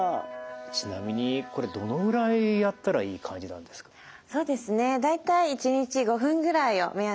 ちなみにこれどのぐらいやったらいい感じなんですか？